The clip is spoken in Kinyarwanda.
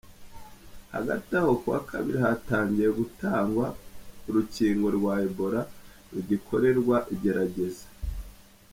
Hagati aho, ku wa kabiri hatangiye gutangwa urukingo rwa Ebola rugikorerwa igerageza.